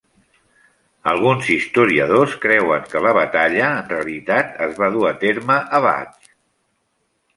Alguns historiadors creuen que la batalla en realitat es va dur a terme a Bath.